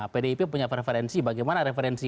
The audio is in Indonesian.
pdip punya preferensi bagaimana referensi